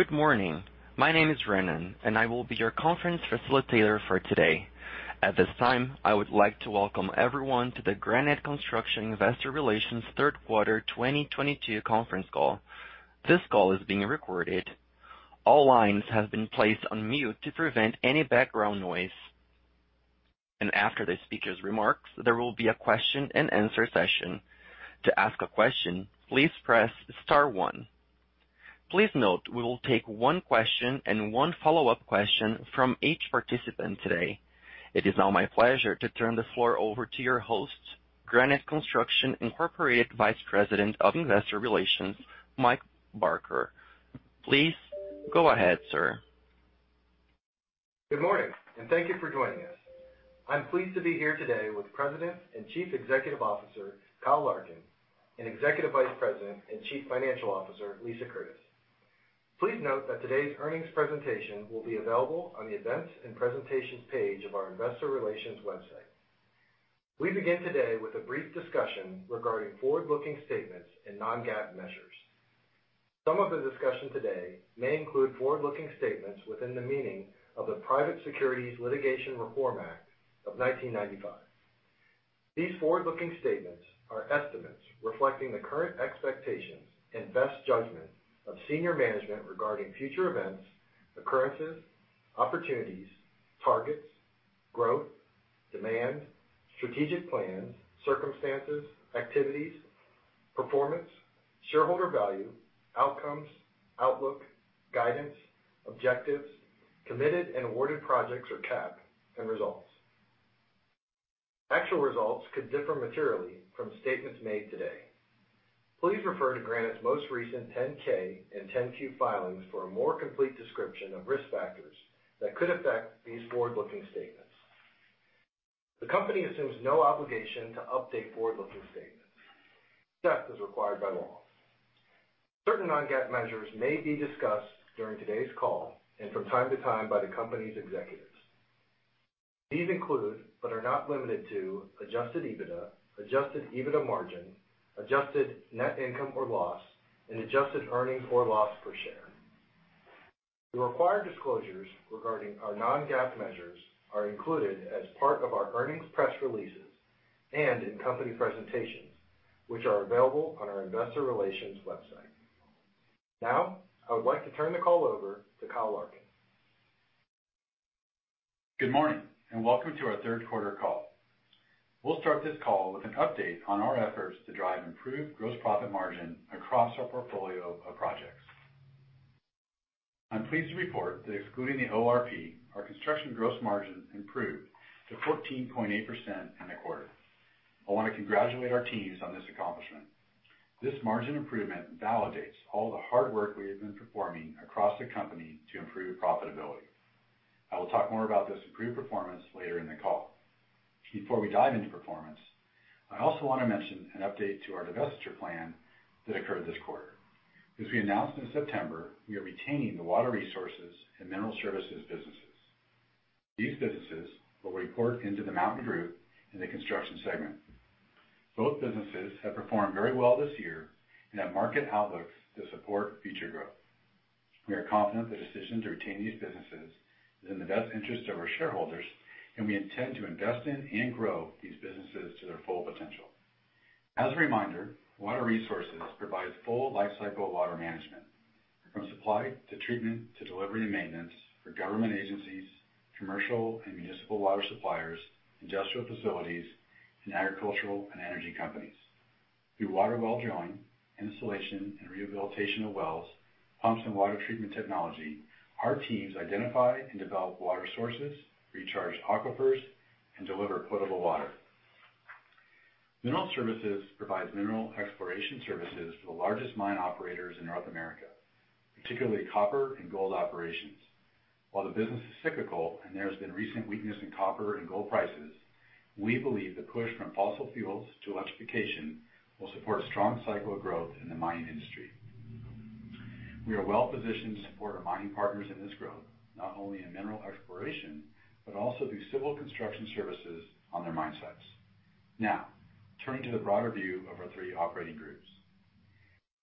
Good morning. My name is Renan, and I will be your conference facilitator for today. At this time, I would like to welcome everyone to the Granite Construction investor relations third quarter 2022 conference call. This call is being recorded. All lines have been placed on mute to prevent any background noise. After the speaker's remarks, there will be a question-and-answer session. To ask a question, please press star one. Please note we will take one question and one follow-up question from each participant today. It is now my pleasure to turn the floor over to your host, Granite Construction Incorporated Vice President of Investor Relations, Mike Barker. Please go ahead, sir. Good morning, and thank you for joining us. I'm pleased to be here today with President and Chief Executive Officer, Kyle Larkin, and Executive Vice President and Chief Financial Officer, Lisa Curtis. Please note that today's earnings presentation will be available on the Events and Presentations page of our investor relations website. We begin today with a brief discussion regarding forward-looking statements and non-GAAP measures. Some of the discussion today may include forward-looking statements within the meaning of the Private Securities Litigation Reform Act of 1995. These forward-looking statements are estimates reflecting the current expectations and best judgment of senior management regarding future events, occurrences, opportunities, targets, growth, demand, strategic plans, circumstances, activities, performance, shareholder value, outcomes, outlook, guidance, objectives, committed and awarded projects or CAP, and results. Actual results could differ materially from statements made today. Please refer to Granite's most recent 10-K and 10-Q filings for a more complete description of risk factors that could affect these forward-looking statements. The company assumes no obligation to update forward-looking statements, except as required by law. Certain non-GAAP measures may be discussed during today's call and from time to time by the company's executives. These include, but are not limited to adjusted EBITDA, adjusted EBITDA margin, adjusted net income or loss, and adjusted earnings or loss per share. The required disclosures regarding our non-GAAP measures are included as part of our earnings press releases and in company presentations, which are available on our investor relations website. Now, I would like to turn the call over to Kyle Larkin. Good morning and welcome to our third quarter call. We'll start this call with an update on our efforts to drive improved gross profit margin across our portfolio of projects. I'm pleased to report that excluding the ORP, our construction gross margin improved to 14.8% in the quarter. I want to congratulate our teams on this accomplishment. This margin improvement validates all the hard work we have been performing across the company to improve profitability. I will talk more about this improved performance later in the call. Before we dive into performance, I also want to mention an update to our divestiture plan that occurred this quarter. As we announced in September, we are retaining the Water Resources and Mineral Services businesses. These businesses will report into the Mountain Group in the construction segment. Both businesses have performed very well this year and have market outlooks to support future growth. We are confident the decision to retain these businesses is in the best interest of our shareholders, and we intend to invest in and grow these businesses to their full potential. As a reminder, Water Resources provides full lifecycle water management from supply to treatment to delivery and maintenance for government agencies, commercial and municipal water suppliers, industrial facilities, and agricultural and energy companies. Through water well drilling, installation and rehabilitation of wells, pumps and water treatment technology, our teams identify and develop water sources, recharge aquifers, and deliver potable water. Mineral Services provides mineral exploration services for the largest mine operators in North America, particularly copper and gold operations. While the business is cyclical and there has been recent weakness in copper and gold prices, we believe the push from fossil fuels to electrification will support a strong cycle of growth in the mining industry. We are well positioned to support our mining partners in this growth, not only in mineral exploration, but also through civil construction services on their mine sites. Now, turning to the broader view of our three operating groups.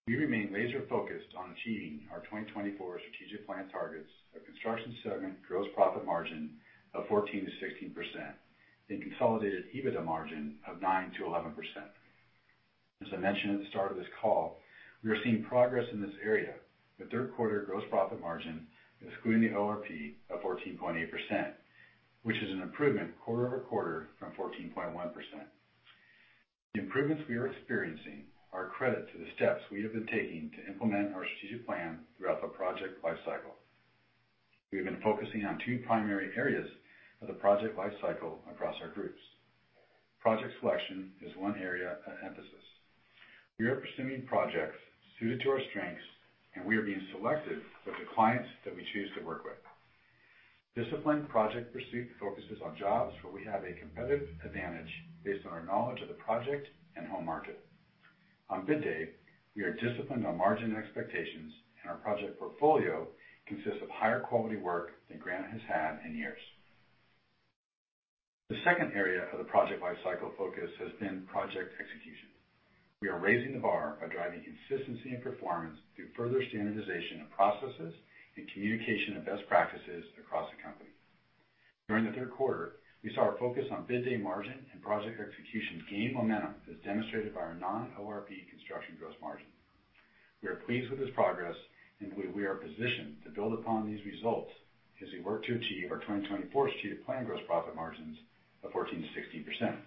We remain laser focused on achieving our 2024 strategic plan targets of construction segment gross profit margin of 14%-16% and consolidated EBITDA margin of 9%-11%. As I mentioned at the start of this call, we are seeing progress in this area, with third quarter gross profit margin excluding the ORP of 14.8%, which is an improvement quarter-over-quarter from 14.1%. The improvements we are experiencing are a credit to the steps we have been taking to implement our strategic plan throughout the project life cycle. We have been focusing on two primary areas of the project life cycle across our groups. Project selection is one area of emphasis. We are pursuing projects suited to our strengths and we are being selected with the clients that we choose to work with. Disciplined project pursuit focuses on jobs where we have a competitive advantage based on our knowledge of the project and home market. On bid day, we are disciplined on margin expectations and our project portfolio consists of higher quality work than Granite Construction has had in years. The second area of the project lifecycle focus has been project execution. We are raising the bar by driving consistency and performance through further standardization of processes and communication of best practices across the company. During the third quarter, we saw our focus on bid day margin and project execution gain momentum as demonstrated by our non-ORP construction gross margin. We are pleased with this progress, and we believe we are positioned to build upon these results as we work to achieve our 2024 strategic plan gross profit margins of 14%-16%.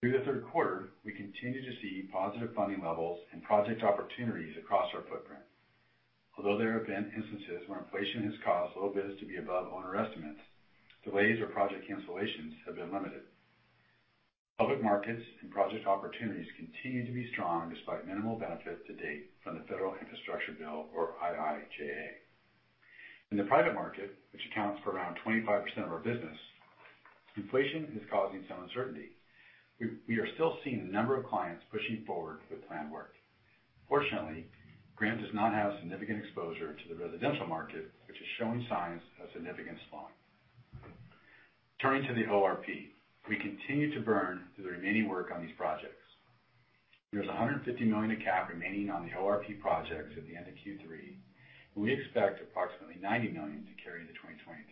Through the third quarter, we continue to see positive funding levels and project opportunities across our footprint. Although there have been instances where inflation has caused low bids to be above owner estimates, delays or project cancellations have been limited. Public markets and project opportunities continue to be strong despite minimal benefit to date from the federal infrastructure bill or IIJA. In the private market, which accounts for around 25% of our business, inflation is causing some uncertainty. We are still seeing a number of clients pushing forward with planned work. Fortunately, Granite does not have significant exposure to the residential market, which is showing signs of significant slowing. Turning to the ORP, we continue to burn through the remaining work on these projects. There's $150 million of CAP remaining on the ORP projects at the end of Q3, and we expect approximately $90 million to carry into 2023.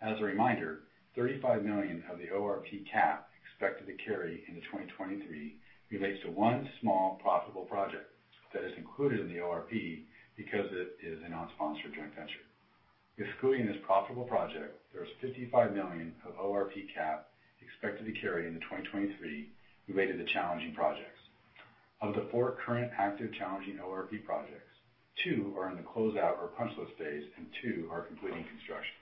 As a reminder, $35 million of the ORP CAP expected to carry into 2023 relates to one small profitable project that is included in the ORP because it is a non-sponsor joint venture. Excluding this profitable project, there's $55 million of ORP CAP expected to carry into 2023 related to challenging projects. Of the four current active challenging ORP projects, two are in the closeout or punch list phase and two are completing construction.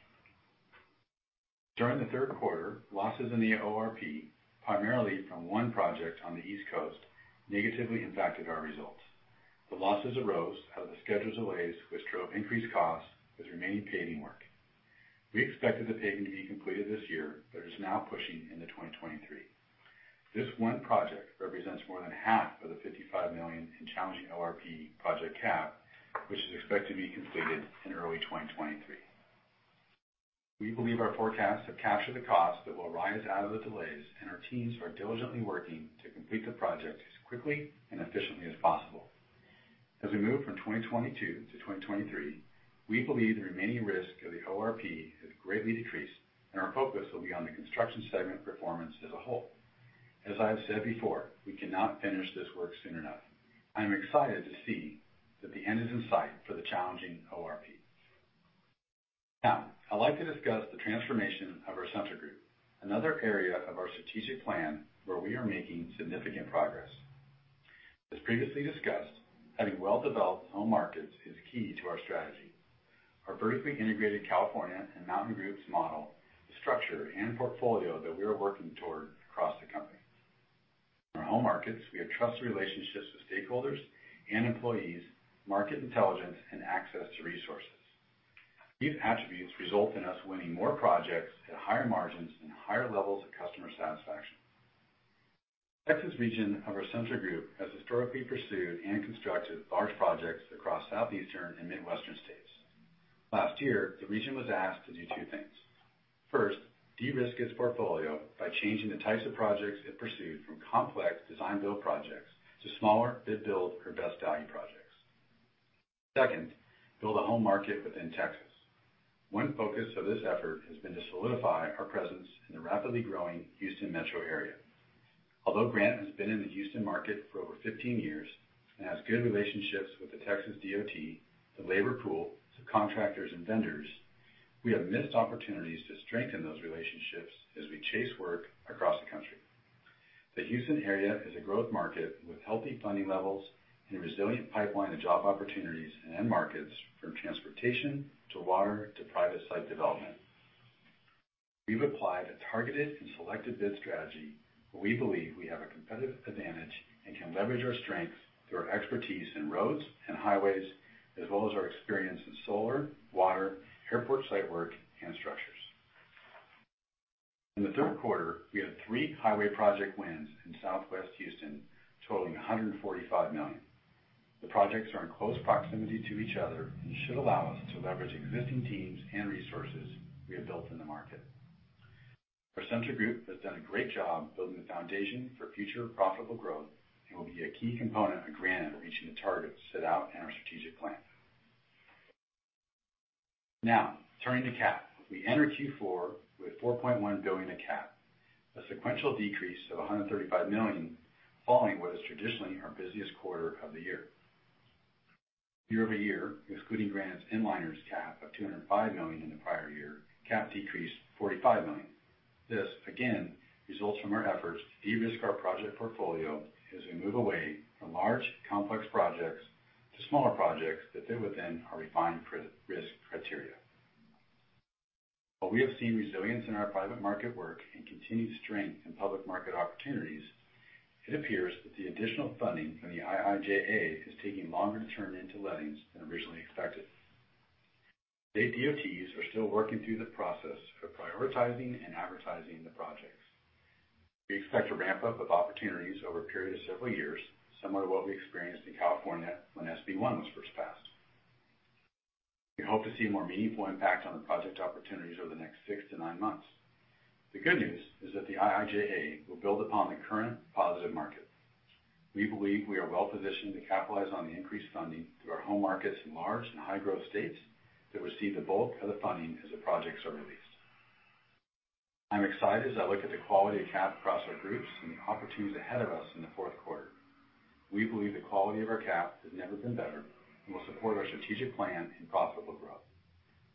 During the third quarter, losses in the ORP, primarily from one project on the East Coast, negatively impacted our results. The losses arose out of the schedule delays, which drove increased costs with remaining paving work. We expected the paving to be completed this year, but it is now pushing into 2023. This one project represents more than half of the $55 million in challenging ORP project CAP, which is expected to be completed in early 2023. We believe our forecasts have captured the cost that will arise out of the delays, and our teams are diligently working to complete the project as quickly and efficiently as possible. As we move from 2022 to 2023, we believe the remaining risk of the ORP has greatly decreased, and our focus will be on the construction segment performance as a whole. As I have said before, we cannot finish this work soon enough. I'm excited to see that the end is in sight for the challenging ORP. Now, I'd like to discuss the transformation of our Central Group, another area of our strategic plan where we are making significant progress. As previously discussed, having well-developed home markets is key to our strategy. Our vertically integrated California and Mountain Groups model the structure and portfolio that we are working toward across the company. In our home markets, we have trust relationships with stakeholders and employees, market intelligence, and access to resources. These attributes result in us winning more projects at higher margins and higher levels of customer satisfaction. Texas region of our Central Group has historically pursued and constructed large projects across Southeastern and Midwestern states. Last year, the region was asked to do two things. First, de-risk its portfolio by changing the types of projects it pursued from complex design build projects to smaller bid build or best value projects. Second, build a home market within Texas. One focus of this effort has been to solidify our presence in the rapidly growing Houston metro area. Although Granite has been in the Houston market for over 15 years and has good relationships with the Texas DOT, the labor pool, subcontractors and vendors, we have missed opportunities to strengthen those relationships as we chase work across the country. The Houston area is a growth market with healthy funding levels and a resilient pipeline of job opportunities and end markets from transportation to water to private site development. We've applied a targeted and selected bid strategy, where we believe we have a competitive advantage and can leverage our strengths through our expertise in roads and highways, as well as our experience in solar, water, airport site work, and structures. In the third quarter, we had three highway project wins in Southwest Houston, totaling $145 million. The projects are in close proximity to each other and should allow us to leverage existing teams and resources we have built in the market. Our Central Group has done a great job building the foundation for future profitable growth and will be a key component of Granite reaching the targets set out in our strategic plan. Now, turning to backlog. We enter Q4 with $4.1 billion in backlog, a sequential decrease of $135 million following what is traditionally our busiest quarter of the year. Year-over-year, excluding Granite Inliner's CapEx of $205 million in the prior year, CapEx decreased $45 million. This, again, results from our efforts to de-risk our project portfolio as we move away from large complex projects to smaller projects that fit within our refined risk criteria. While we have seen resilience in our private market work and continued strength in public market opportunities, it appears that the additional funding from the IIJA is taking longer to turn into lettings than originally expected. State DOTs are still working through the process of prioritizing and advertising the projects. We expect a ramp up of opportunities over a period of several years, similar to what we experienced in California when SB 1 was first passed. We hope to see more meaningful impact on the project opportunities over the next 6-9 months. The good news is that the IIJA will build upon the current positive market. We believe we are well-positioned to capitalize on the increased funding through our home markets in large and high-growth states that receive the bulk of the funding as the projects are released. I'm excited as I look at the quality of CAP across our groups and the opportunities ahead of us in the fourth quarter. We believe the quality of our CAP has never been better and will support our strategic plan and profitable growth.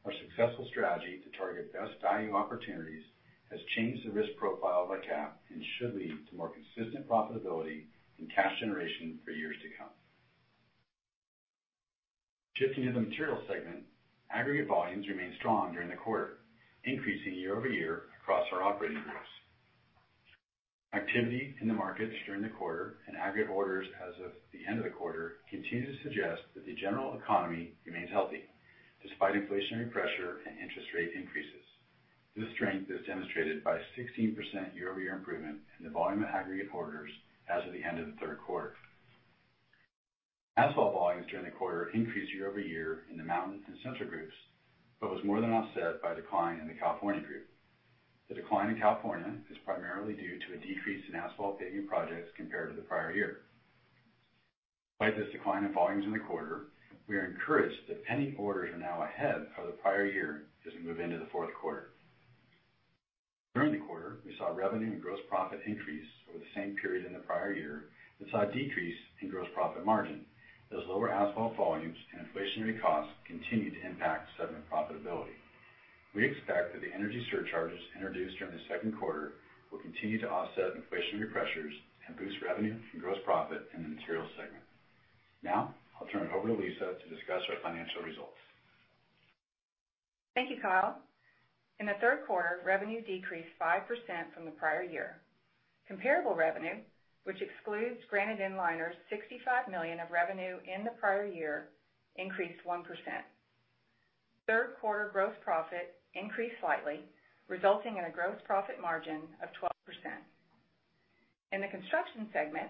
Our successful strategy to target best value opportunities has changed the risk profile of our CAP and should lead to more consistent profitability and cash generation for years to come. Shifting to the materials segment, aggregate volumes remained strong during the quarter, increasing year-over-year across our operating groups. Activity in the markets during the quarter and aggregate orders as of the end of the quarter continue to suggest that the general economy remains healthy despite inflationary pressure and interest rate increases. This strength is demonstrated by 16% year-over-year improvement in the volume of aggregate orders as of the end of the third quarter. Asphalt volumes during the quarter increased year-over-year in the Mountain and Central Groups, but was more than offset by decline in the California Group. The decline in California is primarily due to a decrease in asphalt paving projects compared to the prior year. Despite this decline in volumes in the quarter, we are encouraged that pending orders are now ahead of the prior year as we move into the fourth quarter. During the quarter, we saw revenue and gross profit increase over the same period in the prior year and saw a decrease in gross profit margin as lower asphalt volumes and inflationary costs continued to impact segment profitability. We expect that the energy surcharges introduced during the second quarter will continue to offset inflationary pressures and boost revenue and gross profit in the materials segment. Now, I'll turn it over to Lisa to discuss our financial results. Thank you, Kyle. In the third quarter, revenue decreased 5% from the prior year. Comparable revenue, which excludes Granite Inliner's $65 million of revenue in the prior year, increased 1%. Third quarter gross profit increased slightly, resulting in a gross profit margin of 12%. In the construction segment,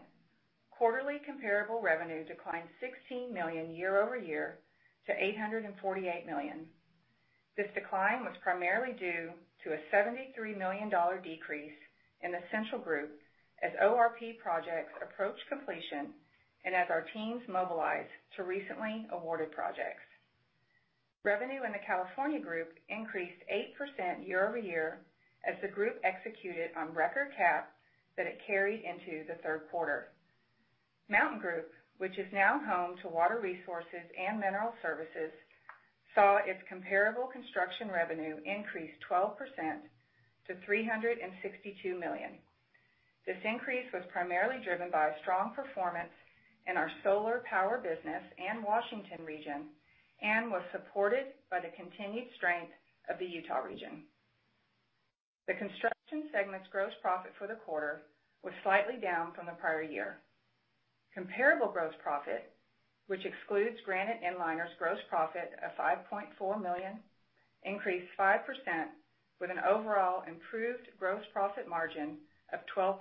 quarterly comparable revenue declined $16 million year-over-year to $848 million. This decline was primarily due to a $73 million decrease in the Central Group as ORP projects approached completion and as our teams mobilized to recently awarded projects. Revenue in the California Group increased 8% year-over-year as the group executed on record CAP that it carried into the third quarter. Mountain Group, which is now home to Water Resources and Mineral Services, saw its comparable construction revenue increase 12% to $362 million. This increase was primarily driven by strong performance in our solar power business and Washington region and was supported by the continued strength of the Utah region. The construction segment's gross profit for the quarter was slightly down from the prior year. Comparable gross profit, which excludes Granite Inliner's gross profit of $5.4 million, increased 5% with an overall improved gross profit margin of 12%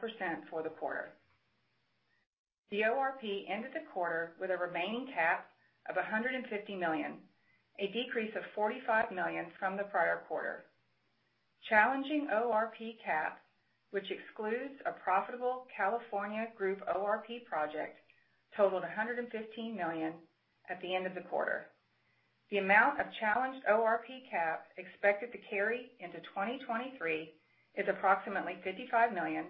for the quarter. The ORP ended the quarter with a remaining CAP of $150 million, a decrease of $45 million from the prior quarter. Challenged ORP CAP, which excludes a profitable California Group ORP project, totaled $115 million at the end of the quarter. The amount of challenged ORP CAP expected to carry into 2023 is approximately $55 million,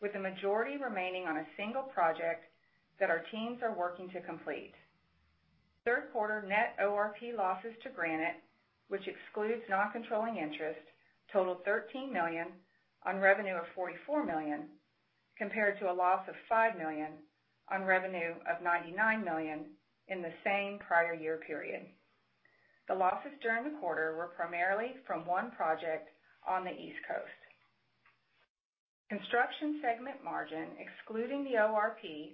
with the majority remaining on a single project that our teams are working to complete. Third quarter net ORP losses to Granite, which excludes non-controlling interest, totaled $13 million on revenue of $44 million, compared to a loss of $5 million on revenue of $99 million in the same prior year period. The losses during the quarter were primarily from one project on the East Coast. Construction segment margin, excluding the ORP,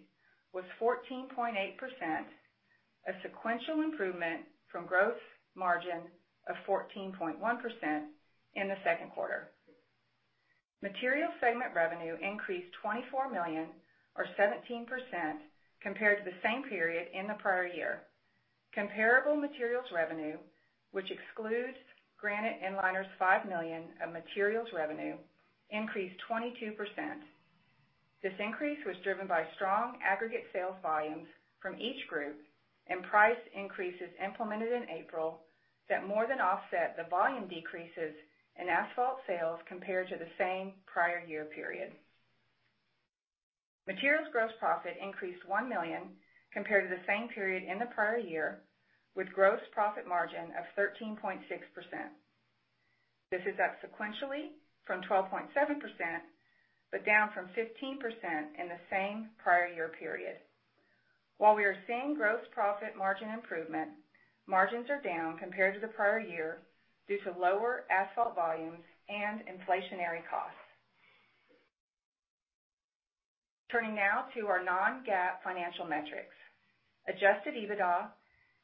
was 14.8%, a sequential improvement from gross margin of 14.1% in the second quarter. Materials segment revenue increased $24 million or 17% compared to the same period in the prior year. Comparable materials revenue, which excludes Granite Inliner's $5 million of materials revenue, increased 22%. This increase was driven by strong aggregate sales volumes from each group and price increases implemented in April that more than offset the volume decreases in asphalt sales compared to the same prior year period. Materials gross profit increased $1 million compared to the same period in the prior year, with gross profit margin of 13.6%. This is up sequentially from 12.7%, but down from 15% in the same prior year period. While we are seeing gross profit margin improvement, margins are down compared to the prior year due to lower asphalt volumes and inflationary costs. Turning now to our non-GAAP financial metrics. Adjusted EBITDA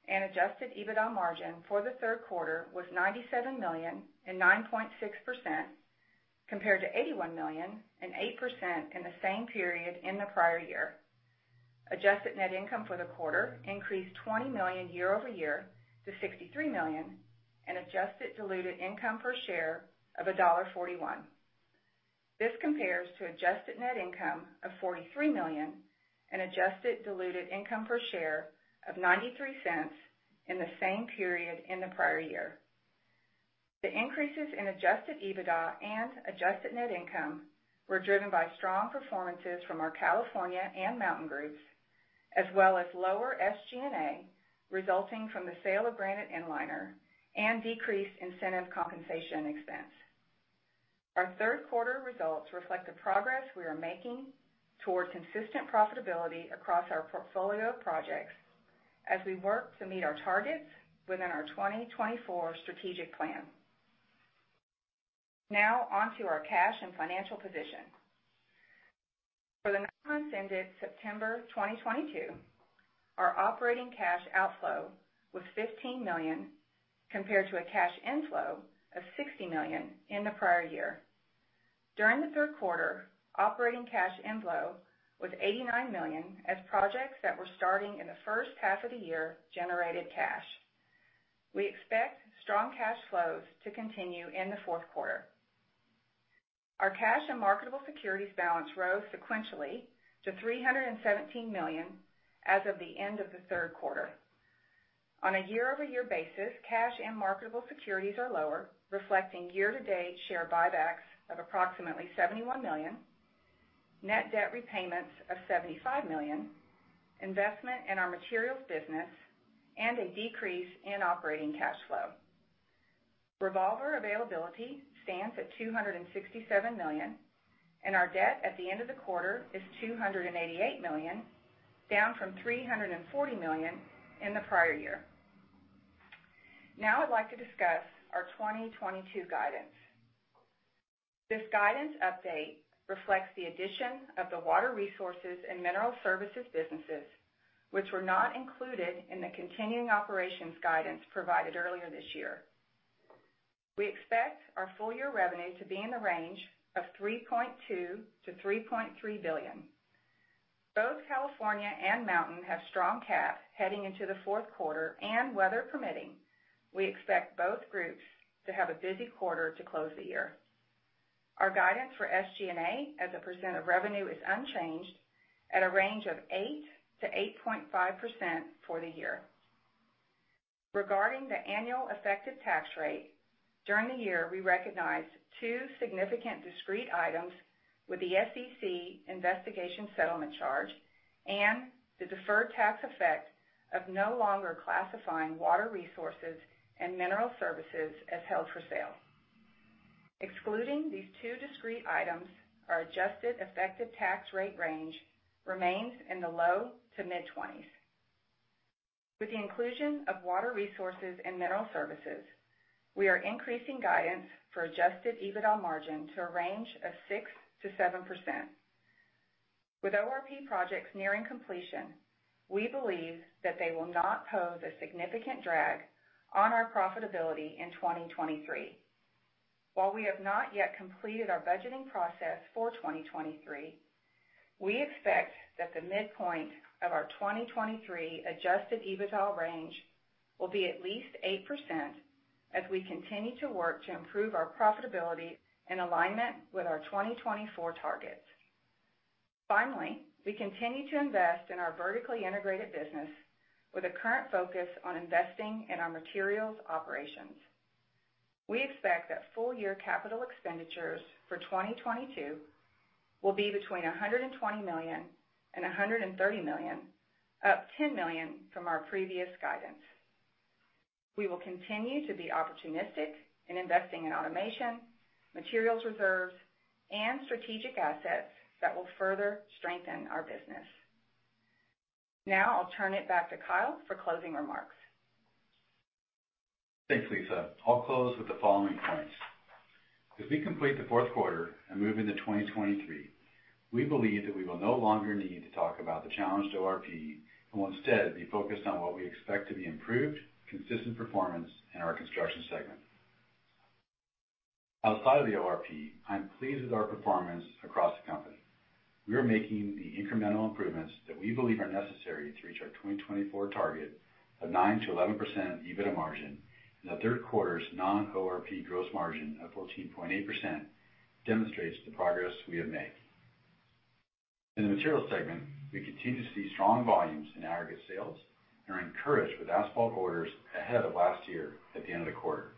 and adjusted EBITDA margin for the third quarter was $97 million and 9.6% compared to $81 million and 8% in the same period in the prior year. Adjusted net income for the quarter increased $20 million year-over-year to $63 million and adjusted diluted income per share of $1.41. This compares to adjusted net income of $43 million and adjusted diluted income per share of $0.93 in the same period in the prior year. The increases in adjusted EBITDA and adjusted net income were driven by strong performances from our California Group and Mountain Group, as well as lower SG&A, resulting from the sale of Granite Inliner and decreased incentive compensation expense. Our third quarter results reflect the progress we are making toward consistent profitability across our portfolio of projects as we work to meet our targets within our 2024 strategic plan. Now on to our cash and financial position. For the nine months ended September 2022, our operating cash outflow was $15 million compared to a cash inflow of $60 million in the prior year. During the third quarter, operating cash inflow was $89 million as projects that were starting in the first half of the year generated cash. We expect strong cash flows to continue in the fourth quarter. Our cash and marketable securities balance rose sequentially to $317 million as of the end of the third quarter. On a year-over-year basis, cash and marketable securities are lower, reflecting year-to-date share buybacks of approximately $71 million, net debt repayments of $75 million, investment in our materials business, and a decrease in operating cash flow. Revolver availability stands at $267 million, and our debt at the end of the quarter is $288 million, down from $340 million in the prior year. Now I'd like to discuss our 2022 guidance. This guidance update reflects the addition of the Water Resources and Mineral Services businesses, which were not included in the continuing operations guidance provided earlier this year. We expect our full year revenue to be in the range of $3.2 billion-$3.3 billion. Both California and Mountain have strong backlog heading into the fourth quarter, and weather permitting, we expect both groups to have a busy quarter to close the year. Our guidance for SG&A as a percent of revenue is unchanged at a range of 8%-8.5% for the year. Regarding the annual effective tax rate, during the year, we recognized two significant discrete items with the SEC investigation settlement charge and the deferred tax effect of no longer classifying Water Resources and Mineral Services as held for sale. Excluding these two discrete items, our adjusted effective tax rate range remains in the low to mid-20s. With the inclusion of Water Resources and Mineral Services, we are increasing guidance for adjusted EBITDA margin to a range of 6%-7%. With ORP projects nearing completion, we believe that they will not pose a significant drag on our profitability in 2023. While we have not yet completed our budgeting process for 2023, we expect that the midpoint of our 2023 adjusted EBITDA range will be at least 8% as we continue to work to improve our profitability in alignment with our 2024 targets. Finally, we continue to invest in our vertically integrated business with a current focus on investing in our materials operations. We expect that full-year capital expenditures for 2022 will be between $120 million and $130 million, up $10 million from our previous guidance. We will continue to be opportunistic in investing in automation, materials reserves, and strategic assets that will further strengthen our business. Now I'll turn it back to Kyle for closing remarks. Thanks, Lisa. I'll close with the following points. As we complete the fourth quarter and move into 2023, we believe that we will no longer need to talk about the challenged ORP, and we'll instead be focused on what we expect to be improved, consistent performance in our construction segment. Outside of the ORP, I'm pleased with our performance across the company. We are making the incremental improvements that we believe are necessary to reach our 2024 target of 9%-11% EBITDA margin, and the third quarter's non-ORP gross margin of 14.8% demonstrates the progress we have made. In the materials segment, we continue to see strong volumes in aggregate sales and are encouraged with asphalt orders ahead of last year at the end of the quarter.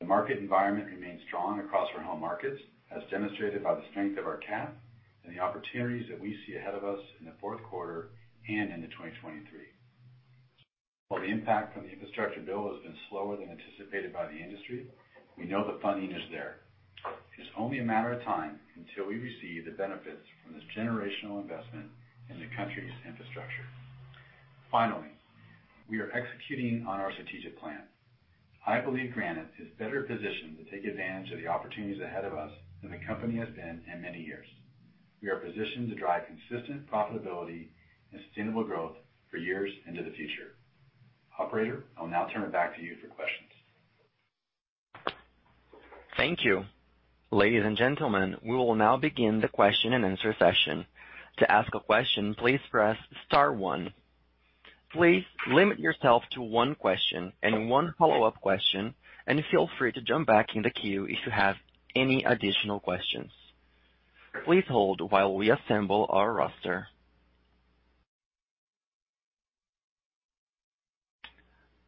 The market environment remains strong across our home markets, as demonstrated by the strength of our CAP and the opportunities that we see ahead of us in the fourth quarter and into 2023. While the impact from the infrastructure bill has been slower than anticipated by the industry, we know the funding is there. It's only a matter of time until we receive the benefits from this generational investment in the country's infrastructure. Finally, we are executing on our strategic plan. I believe Granite is better positioned to take advantage of the opportunities ahead of us than the company has been in many years. We are positioned to drive consistent profitability and sustainable growth for years into the future. Operator, I'll now turn it back to you for questions. Thank you. Ladies and gentlemen, we will now begin the question-and-answer session. To ask a question, please press star one. Please limit yourself to one question and one follow-up question, and feel free to jump back in the queue if you have any additional questions. Please hold while we assemble our roster.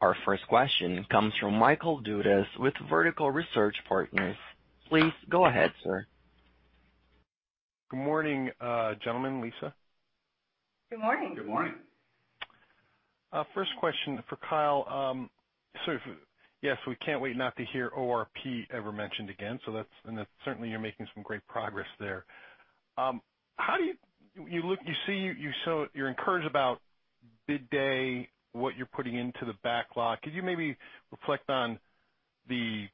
Our first question comes from Michael Dudas with Vertical Research Partners. Please go ahead, sir. Good morning, gentlemen, Lisa. Good morning. Good morning. First question for Kyle. So yes, we can't wait not to hear ORP ever mentioned again, so that's certainly. You're making some great progress there. How do you look, you see, you show you're encouraged about bid day, what you're putting into the backlog. Could you maybe reflect on the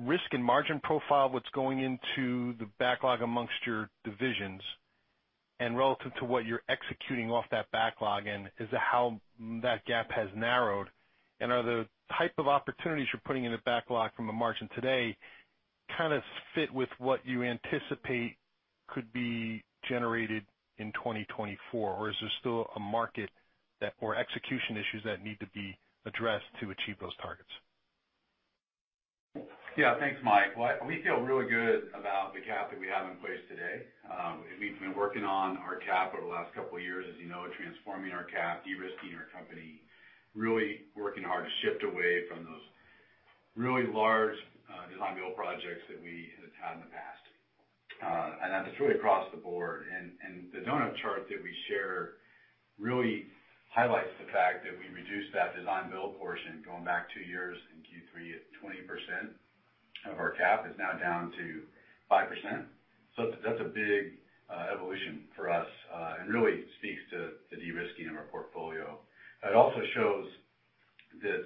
risk and margin profile of what's going into the backlog amongst your divisions and relative to what you're executing off that backlog and as to how that gap has narrowed? Are the type of opportunities you're putting in the backlog from a margin today kinda fit with what you anticipate could be generated in 2024? Or is there still a margin target or execution issues that need to be addressed to achieve those targets? Yeah. Thanks, Mike. Well, we feel really good about the cap that we have in place today. We've been working on our cap over the last couple of years, as you know, transforming our cap, de-risking our company, really working hard to shift away from those really large design-build projects that we had had in the past. That's really across the board. The donut chart that we share really highlights the fact that we reduced that design-build portion going back two years in Q3 at 20% of our cap. It's now down to 5%. That's a big evolution for us, and really speaks to the de-risking of our portfolio. It also shows that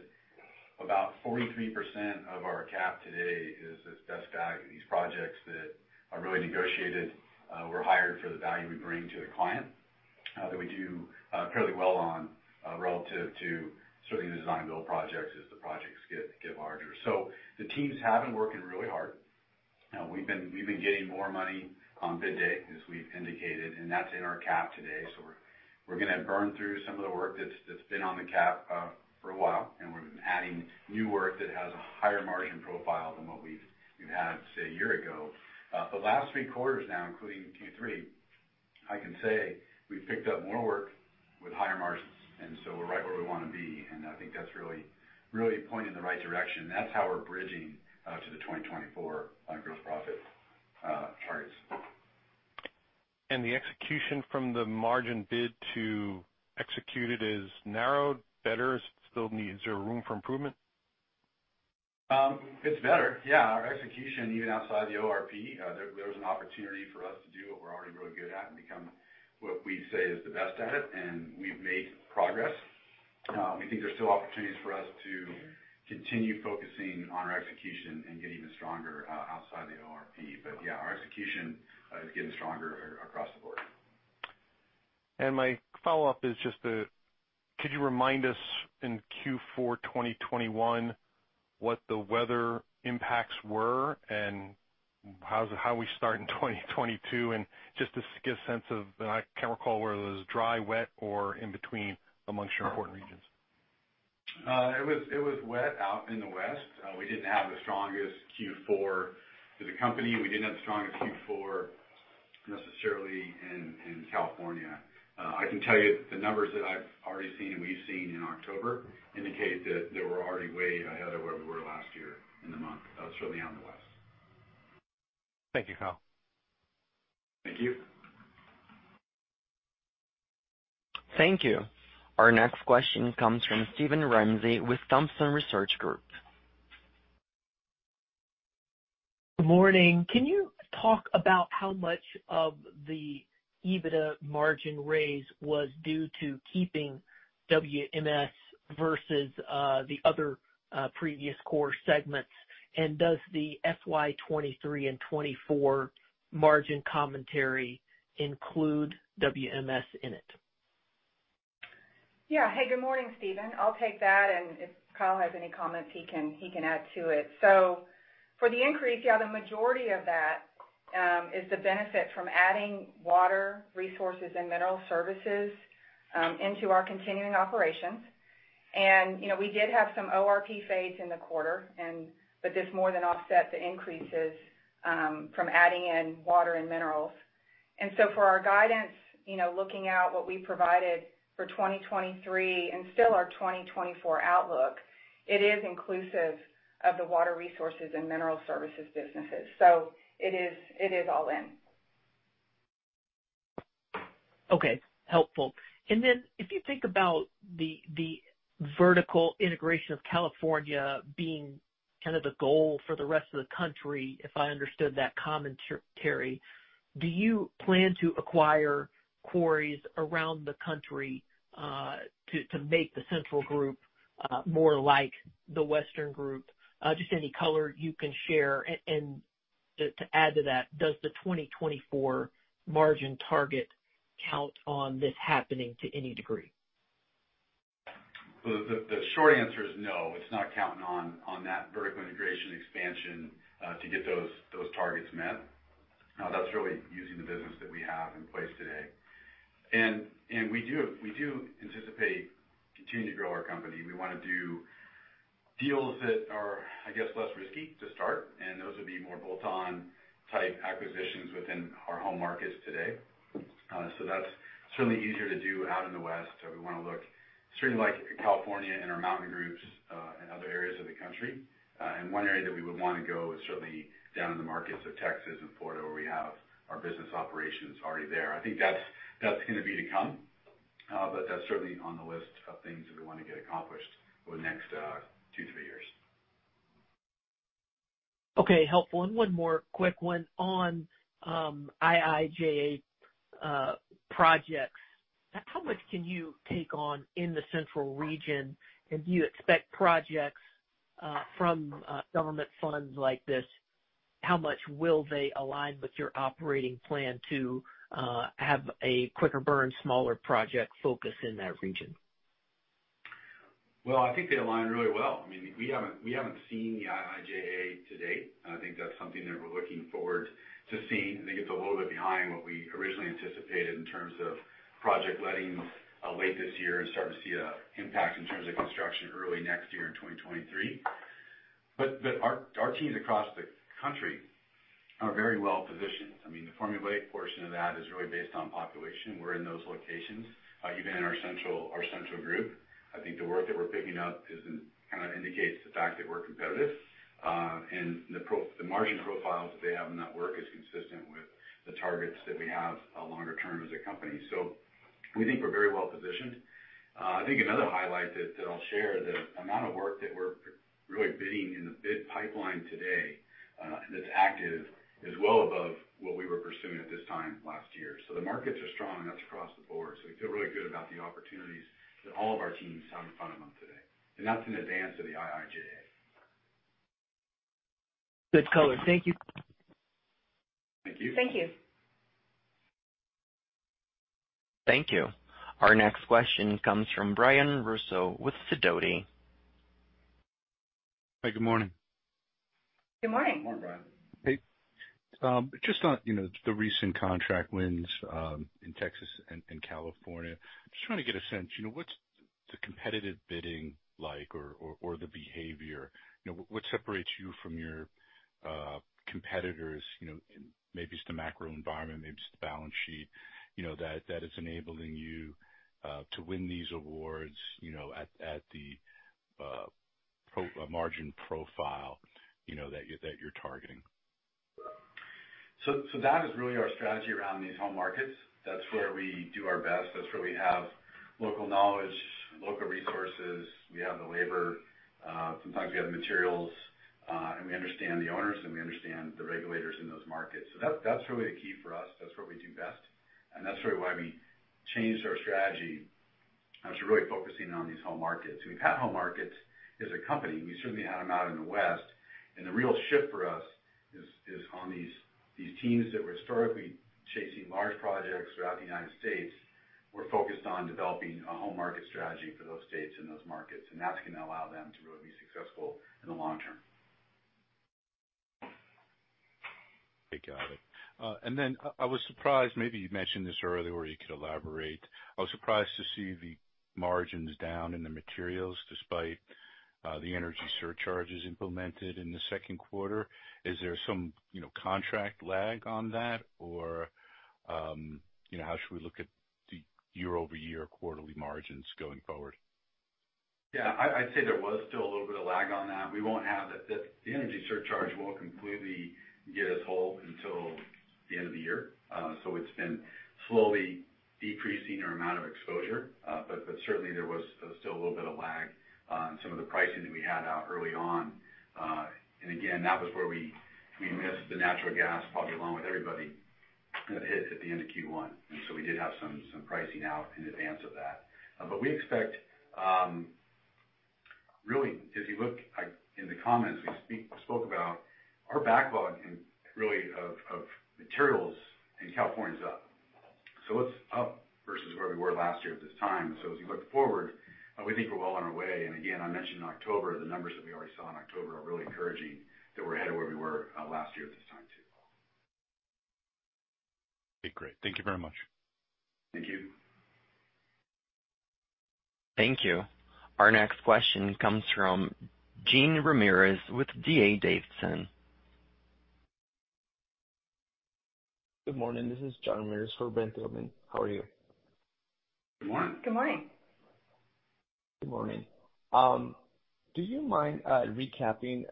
about 43% of our CAP today is this best value, these projects that are really negotiated, we're hired for the value we bring to the client, that we do fairly well on, relative to certainly the design-build projects as the projects get larger. The teams have been working really hard. We've been getting more money on bid day, as we've indicated, and that's in our CAP today. We're gonna burn through some of the work that's been on the CAP for a while, and we've been adding new work that has a higher margin profile than what we've had, say, a year ago. The last three quarters now, including Q3, I can say we've picked up more work with higher margins, and so we're right where we wanna be, and I think that's really pointing in the right direction. That's how we're bridging to the 2024 on growth profit targets. The execution from the margin bid to executed is narrowed better, still needs more room for improvement? It's better, yeah. Our execution, even outside the ORP, there was an opportunity for us to do what we're already really good at and become what we say is the best at it, and we've made progress. We think there's still opportunities for us to continue focusing on our execution and get even stronger outside the ORP. Yeah, our execution is getting stronger across the board. My follow-up is just the, could you remind us in Q4 2021 what the weather impacts were and how we start in 2022? Just to get a sense of I can't recall whether it was dry, wet or in between among your important regions. It was wet out in the West. We didn't have the strongest Q4 as a company. We didn't have the strongest Q4 necessarily in California. I can tell you the numbers that I've already seen and we've seen in October indicate that they were already way ahead of where we were last year in the month, certainly out in the West. Thank you, Kyle. Thank you. Thank you. Our next question comes from Steven Ramsey with Thompson Research Group. Good morning. Can you talk about how much of the EBITDA margin raise was due to keeping WMS versus the other previous core segments? Does the FY 2023 and 2024 margin commentary include WMS in it? Yeah. Hey, good morning, Steven. I'll take that, and if Kyle has any comments, he can add to it. For the increase, yeah, the majority of that is the benefit from adding Water Resources and Mineral Services into our continuing operations. You know, we did have some ORP fade in the quarter, but this more than offset the increases from adding in water and minerals. For our guidance, you know, looking out what we provided for 2023 and still our 2024 outlook, it is inclusive of the Water Resources and Mineral Services businesses. It is all in. Okay. Helpful. If you think about the vertical integration of California being kind of the goal for the rest of the country, if I understood that commentary, do you plan to acquire quarries around the country to make the Central Group more like the Western Group? Just any color you can share. To add to that, does the 2024 margin target count on this happening to any degree? The short answer is no. It's not counting on that vertical integration expansion to get those targets met. That's really using the business that we have in place today. We do anticipate continuing to grow our company. We wanna do deals that are, I guess, less risky to start, and those would be more bolt-on type acquisitions within our home markets today. That's certainly easier to do out in the West, so we wanna look certainly like California and our mountain groups, and other areas of the country. One area that we would wanna go is certainly down in the markets of Texas and Florida, where we have our business operations already there. I think that's gonna be to come, but that's certainly on the list of things that we wanna get accomplished over the next two to three years. Okay. Helpful. One more quick one on IIJA projects. How much can you take on in the central region, and do you expect projects from government funds like this? How much will they align with your operating plan to have a quicker burn, smaller project focus in that region? Well, I think they align really well. I mean, we haven't seen the IIJA to date. I think that's something that we're looking forward to seeing. I think it's a little bit behind what we originally anticipated in terms of project lettings late this year and start to see an impact in terms of construction early next year in 2023. Our teams across the country are very well-positioned. I mean, the formula aid portion of that is really based on population. We're in those locations, even in our Central Group. I think the work that we're picking up kind of indicates the fact that we're competitive. The margin profiles that they have in that work is consistent with the targets that we have longer term as a company. We think we're very well-positioned. I think another highlight that I'll share, the amount of work that we're really bidding in the bid pipeline today, and that's active is well above what we were pursuing at this time last year. The markets are strong, and that's across the board. We feel really good about the opportunities that all of our teams are in front of them today, and that's in advance of the IIJA. Good color. Thank you. Thank you. Thank you. Thank you. Our next question comes from Brian Russo with Sidoti. Hi, good morning. Good morning. Good morning, Brian. Hey, just on, you know, the recent contract wins in Texas and California. I'm just trying to get a sense, you know, what's the competitive bidding like or the behavior? You know, what separates you from your competitors, you know? Maybe it's the macro environment, maybe it's the balance sheet, you know, that is enabling you to win these awards, you know, at the margin profile, you know, that you're targeting. That is really our strategy around these home markets. That's where we do our best. That's where we have local knowledge, local resources. We have the labor. Sometimes we have materials, and we understand the owners, and we understand the regulators in those markets. That’s really the key for us. That's what we do best, and that's really why we changed our strategy as we're really focusing on these home markets. We've had home markets as a company. We certainly had them out in the West. The real shift for us is on these teams that were historically chasing large projects throughout the United States. We're focused on developing a home market strategy for those states and those markets, and that's gonna allow them to really be successful in the long term. Okay, got it. I was surprised, maybe you mentioned this earlier, where you could elaborate. I was surprised to see the margins down in the materials despite the energy surcharges implemented in the second quarter. Is there some, you know, contract lag on that? Or, you know, how should we look at the year-over-year quarterly margins going forward? Yeah. I'd say there was still a little bit of lag on that. The energy surcharge won't completely get us whole until the end of the year. It's been slowly decreasing our amount of exposure. Certainly there was still a little bit of lag in some of the pricing that we had out early on. Again, that was where we missed the natural gas boom along with everybody that hit at the end of Q1. We did have some pricing out in advance of that. We expect really, as you look, in the comments we spoke about our backlog and really of materials in California is up. It's up versus where we were last year at this time. As we look forward, we think we're well on our way. Again, I mentioned in October, the numbers that we already saw in October are really encouraging that we're ahead of where we were last year at this time too. Okay, great. Thank you very much. Thank you. Thank you. Our next question comes from Jean Ramirez with D.A. Davidson. Good morning. This is Jean Ramirez for Brent Thielman. How are you? Good morning. Good morning. Good morning. Do you mind recapping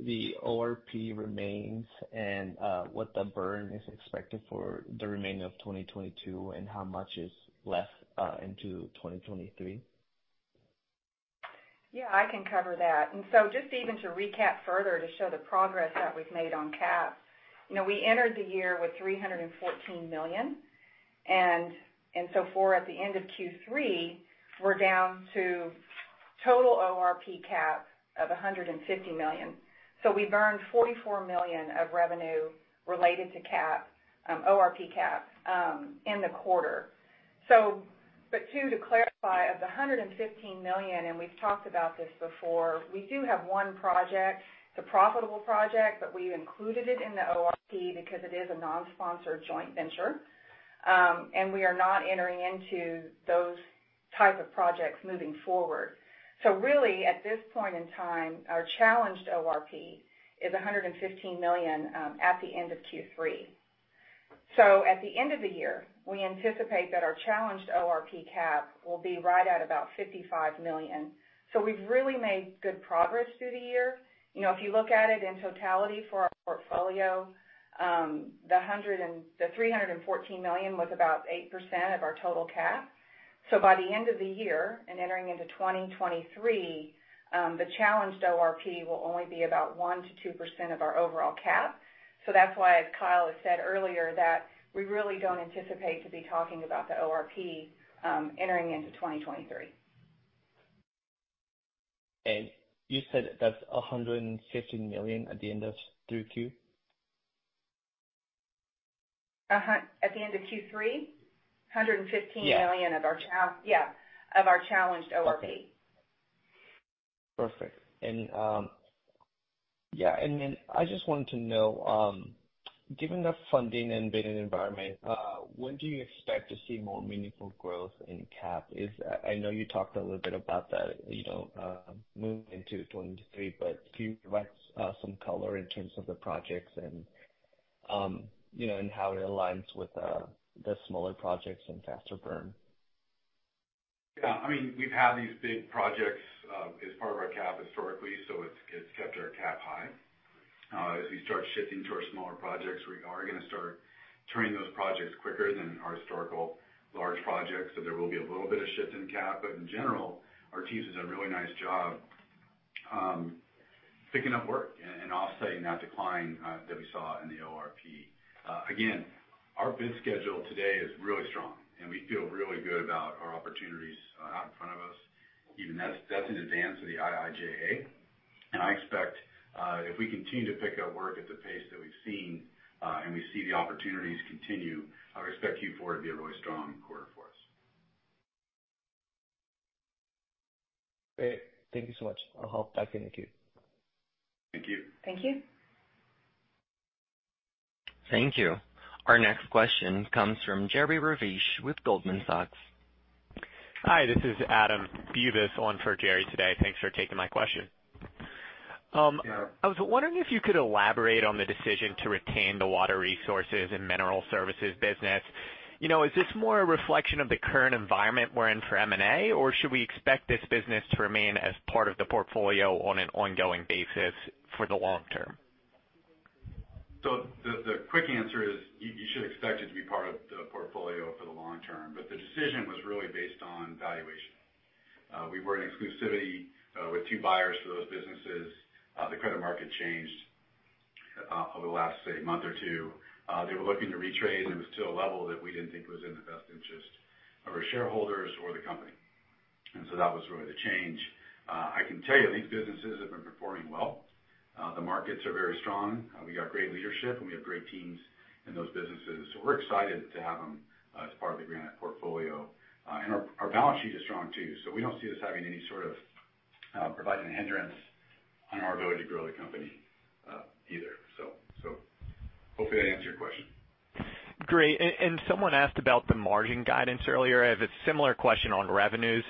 the ORP remains and what the burn is expected for the remainder of 2022, and how much is left into 2023? Yeah, I can cover that. Just to recap even further to show the progress that we've made on CAP, you know, we entered the year with $314 million. At the end of Q3, we're down to total ORP CAP of $150 million. We've earned $44 million of revenue related to CAP, ORP CAP, in the quarter. But to clarify, of the $115 million, and we've talked about this before, we do have one project, it's a profitable project, but we've included it in the ORP because it is a non-sponsored joint venture. We are not entering into those type of projects moving forward. Really, at this point in time, our challenged ORP is $115 million at the end of Q3. At the end of the year, we anticipate that our challenged ORP CAP will be right at about $55 million. We've really made good progress through the year. You know, if you look at it in totality for our portfolio, the $314 million was about 8% of our total CAP. By the end of the year and entering into 2023, the challenged ORP will only be about 1%-2% of our overall CAP. That's why, as Kyle has said earlier, that we really don't anticipate to be talking about the ORP, entering into 2023. You said that's $115 million at the end of 3Q? At the end of Q3? Yeah. $115 million of our challenged ORP. Perfect. I just wanted to know, given the funding and bidding environment, when do you expect to see more meaningful growth in CAP? I know you talked a little bit about that, you know, moving into 2023, but can you provide some color in terms of the projects and, you know, and how it aligns with the smaller projects and faster burn? Yeah. I mean, we've had these big projects as part of our CAP historically, so it's kept our CAP high. As we start shifting to our smaller projects, we are gonna start turning those projects quicker than our historical large projects. So there will be a little bit of shift in CAP. But in general, our teams does a really nice job picking up work and offsetting that decline that we saw in the ORP. Again, our bid schedule today is really strong, and we feel really good about our opportunities out in front of us. Even that's in advance of the IIJA. I expect, if we continue to pick up work at the pace that we've seen, and we see the opportunities continue, I expect Q4 to be a really strong quarter for us. Great. Thank you so much. I'll hop back in the queue. Thank you. Thank you. Thank you. Our next question comes from Jerry Revich with Goldman Sachs. Hi, this is Adam Bubes on for Jerry today. Thanks for taking my question. Yeah. I was wondering if you could elaborate on the decision to retain the Water Resources and Mineral Services business. You know, is this more a reflection of the current environment we're in for M&A, or should we expect this business to remain as part of the portfolio on an ongoing basis for the long term? The quick answer is you should expect it to be part of the portfolio for the long term, but the decision was really based on valuation. We were in exclusivity with two buyers for those businesses. The credit market changed over the last, say, month or two. They were looking to retrade and it was to a level that we didn't think was in the best interest of our shareholders or the company. That was really the change. I can tell you these businesses have been performing well. The markets are very strong. We got great leadership, and we have great teams in those businesses. We're excited to have them as part of the Granite portfolio. Our balance sheet is strong too, so we don't see this having any sort of providing a hindrance on our ability to grow the company, either. Hopefully that answers your question. Great. Someone asked about the margin guidance earlier. I have a similar question on revenues.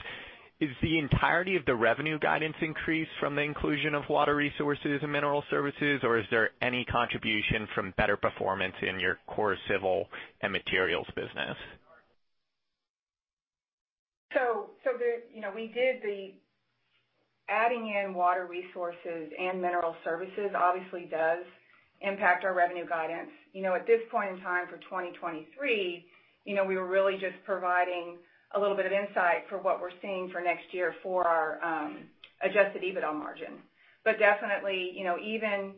Is the entirety of the revenue guidance increase from the inclusion of Water Resources and Mineral Services, or is there any contribution from better performance in your core civil and materials business? You know, we did the adding in Water Resources and Mineral Services obviously does impact our revenue guidance. You know, at this point in time for 2023, you know, we were really just providing a little bit of insight for what we're seeing for next year for our adjusted EBITDA margin. But definitely, you know, even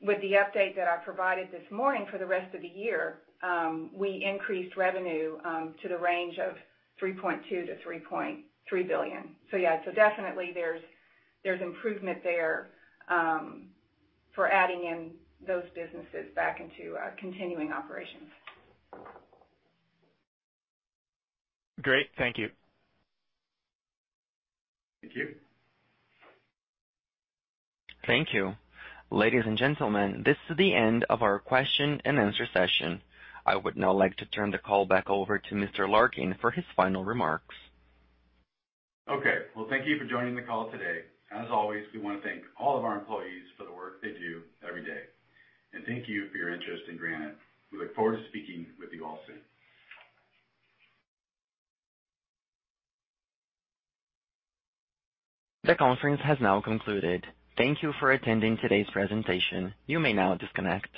with the update that I provided this morning for the rest of the year, we increased revenue to the range of $3.2 billion-$3.3 billion. Yeah, definitely there's improvement there for adding in those businesses back into our continuing operations. Great. Thank you. Thank you. Thank you. Ladies and gentlemen, this is the end of our question-and-answer session. I would now like to turn the call back over to Mr. Larkin for his final remarks. Okay. Well, thank you for joining the call today. As always, we wanna thank all of our employees for the work they do every day. Thank you for your interest in Granite. We look forward to speaking with you all soon. The conference has now concluded. Thank you for attending today's presentation. You may now disconnect.